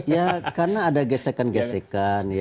ya karena ada gesekan gesekan